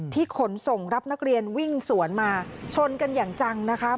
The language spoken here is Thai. ขนส่งรับนักเรียนวิ่งสวนมาชนกันอย่างจังนะคะ